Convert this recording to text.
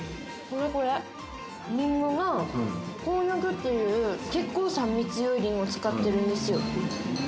これこれリンゴが紅玉っていう結構酸味強いリンゴ使ってるんですよ